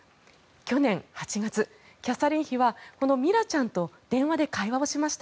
去年８月キャサリン妃はこのミラちゃんと電話で会話をしました。